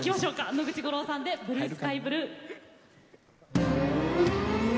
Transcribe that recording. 野口五郎さんで「ブルースカイブルー」。